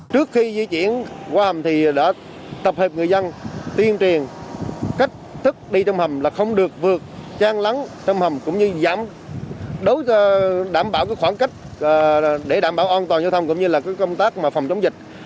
trước khi di chuyển qua hầm thì đã tập hợp người dân tuyên truyền cách thức đi trong hầm là không được vượt trang lắng trong hầm cũng như giảm đảm bảo khoảng cách để đảm bảo an toàn giao thông cũng như là công tác mà phòng chống dịch